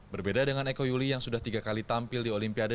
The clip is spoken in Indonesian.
berbeda dengan eko yuli yang sudah tiga kali tampil di olimpiade